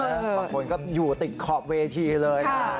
บางคนก็อยู่ติดขอบเวทีเลย